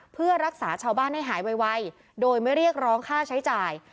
เพื่อรักษาชาวบ้านให้หายไวโดยไม่เรียกร้องค่าใช้จ่าย